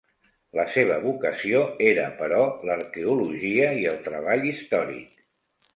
La seva vocació era, però, l'arqueologia i el treball històric.